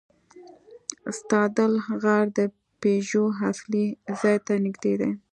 ستادل غار د پيژو اصلي ځای ته نږدې دی.